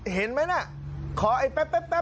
เห็นไหมน่ะขอไอ้แป๊บ